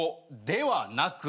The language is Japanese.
ではなく！？